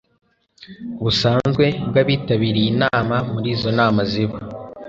busanzwe bwabitabiriye inama muri izo nama ziba